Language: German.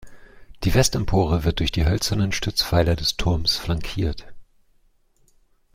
Die Westempore wird durch die hölzernen Stützpfeiler des Turms flankiert.